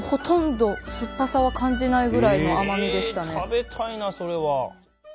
食べたいなそれは。